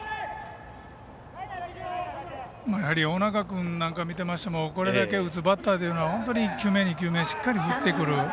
大仲君なんか見てましてもこれだけ打つバッターは１球目２球目しっかり振ってくる。